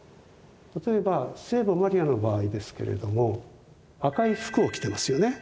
例えば聖母マリアの場合ですけれども赤い服を着てますよね。